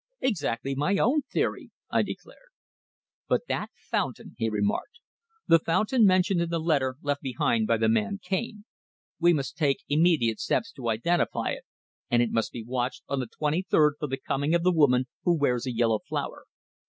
"Exactly my own theory," I declared. "But that fountain!" he remarked. "The fountain mentioned in the letter left behind by the man Cane. We must take immediate steps to identify it, and it must be watched on the twenty third for the coming of the woman who wears a yellow flower.